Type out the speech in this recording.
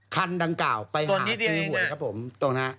คันดังกล่าวไปหาซื้อหวยครับผมตรงนะ